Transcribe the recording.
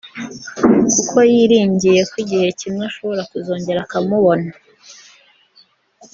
kuko yiringiye ko igihe kimwe ashobora kuzongera akamubona